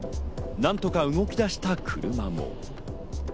何とか動き出した車も。